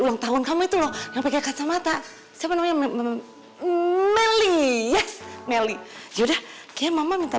ulang tahun kamu itu loh yang pakai kacamata siapa namanya memilih meli meli yaudah kemama